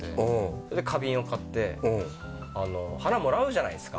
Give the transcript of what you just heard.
それで花瓶を買って、花、もらうじゃないですか。